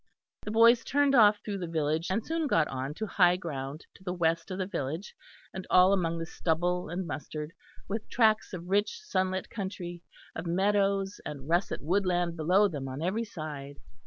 The boys turned off through the village, and soon got on to high ground to the west of the village and all among the stubble and mustard, with tracts of rich sunlit country, of meadows and russet woodland below them on every side.